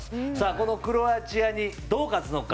このクロアチアにどう勝つのか。